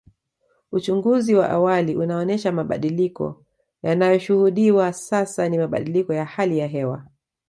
Uchunguzi wa awali unaonesha mabadiliko yanayoshuhudiwa sasa ni mabadiliko ya hali ya hewa